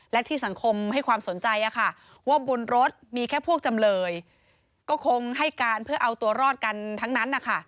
และที่สังคมให้ความสนใจว่าบนรถมีแค่พวกจำเลยก็คงให้การเพื่อเอาตัวรอดกันทั้งนั้นนะคะ